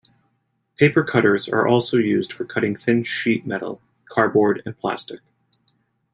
Paper cutters are also used for cutting thin sheet metal, cardboard, and plastic.